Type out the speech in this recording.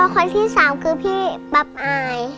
คนที่๓คือพี่ปับอาย